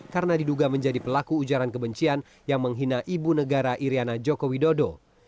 karena diduga menjadi pelaku ujaran kebencian yang menghina ibu negara iryana joko widodo